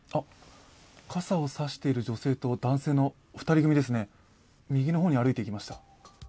傘を差している女性と男性の２人組ですね、右の方に歩いていきました。